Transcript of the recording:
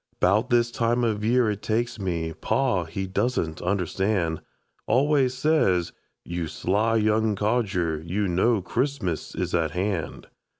'Bout this time of year it takes me Pa, he doesn't understand, Always says: "You sly young codger, You know Christmas is at hand."